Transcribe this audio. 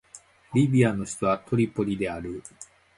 リビアの首都はトリポリである